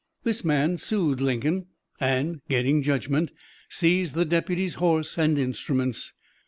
This man sued Lincoln and, getting judgment, seized the deputy's horse and instruments.